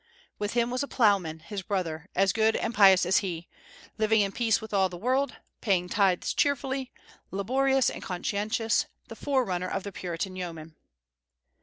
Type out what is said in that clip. With him was a ploughman, his brother, as good and pious as he, living in peace with all the world, paying tithes cheerfully, laborious and conscientious, the forerunner of the Puritan yeoman.